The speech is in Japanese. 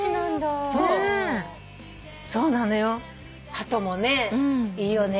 ハトもねいいよね。